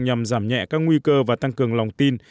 nhằm giảm nhẹ các nguy cơ và tăng cường lòng tin